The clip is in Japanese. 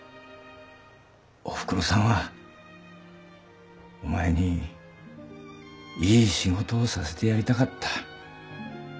おふくろさんはお前にいい仕事をさせてやりたかった。